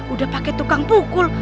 udah pake tukang pukul